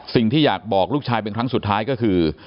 สิ่งที่อยากบอกลูกชายเป็นครั้งสุดท้ายก็คือ